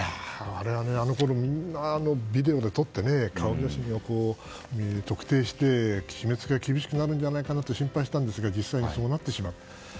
みんなビデオで撮って特定して、締め付けが厳しくなるんじゃないかって心配したんですけど実際にそうなってしまった。